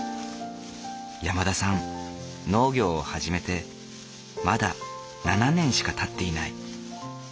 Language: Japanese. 山田さん農業を始めてまだ７年しかたっていない。